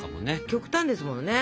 極端ですもんね。